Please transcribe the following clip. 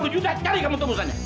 dua puluh juta cari kamu tembusannya